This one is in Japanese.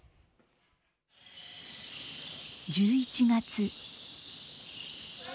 １１月。